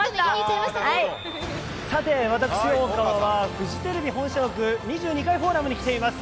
私、大川はフジテレビ本社屋２２階に来ています。